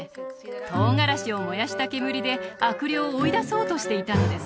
トウガラシを燃やした煙で悪霊を追い出そうとしていたのです